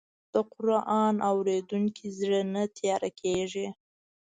د قرآن اورېدونکی زړه نه تیاره کېږي.